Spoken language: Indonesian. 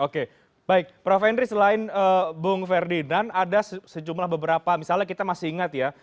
oke baik prof henry selain bung ferdinand ada sejumlah beberapa misalnya kita masih ingat ya